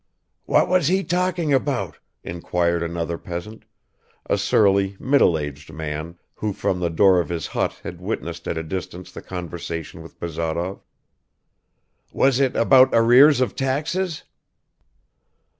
"What was he talking about?" inquired another peasant, a surly middle aged man who from the door of his hut had witnessed at a distance the conversation with Bazarov. "Was it about arrears of taxes?"